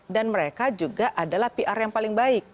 dan mereka juga adalah pr yang paling baik